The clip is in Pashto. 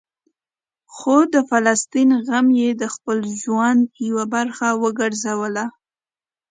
خو د فلسطین غم یې د خپل ژوند یوه برخه وګرځوله.